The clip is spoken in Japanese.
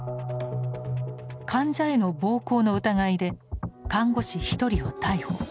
患者への暴行の疑いで看護師１人を逮捕。